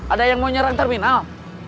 ada yang mau nyerang terminal